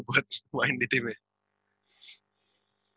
buat main di timnya